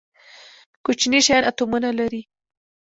کوچني شیان اتومونه لري